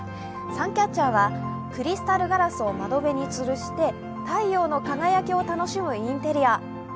サンキャッチャーはクリスタルガラスを窓辺につるして太陽の輝きを楽しむインテリア。